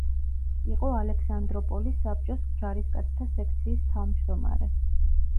იყო ალექსანდროპოლის საბჭოს ჯარისკაცთა სექციის თავმჯდომარე.